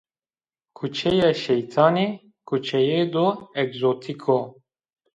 Kuçeye Şeytanî, kuçeyedo ekzotîk o.